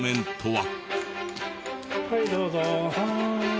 はいどうぞ。はあ。